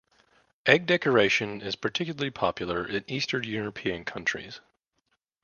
Egg decoration is particularly popular in Eastern European countries.